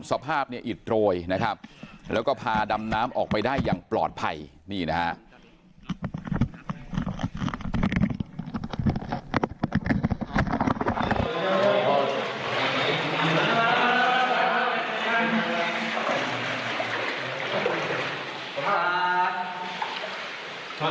สภาพเนี่ยอิดโรยนะครับแล้วก็พาดำน้ำออกไปได้อย่างปลอดภัยนี่นะฮะ